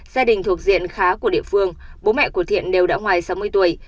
gia đình thuộc diện khá của địa phương bố mẹ của thiện đều đã ngoài sáu mươi tuổi